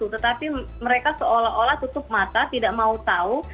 tetapi mereka seolah olah tutup mata tidak mau tahu